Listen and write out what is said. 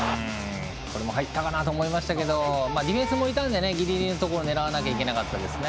これも入ったかなと思いましたけどディフェンスもいたんでぎりぎりのところを狙わなきゃいけなかったですね。